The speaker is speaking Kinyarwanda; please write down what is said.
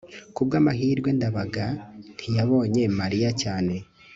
kubwamahirwe ndabaga ntiyabonye mariya cyane